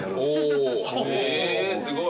へえすごい。